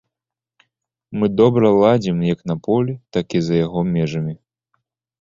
Мы добра ладзім як на полі, так і за яго межамі.